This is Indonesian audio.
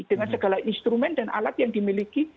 dengan segala instrumen dan alat yang dimiliki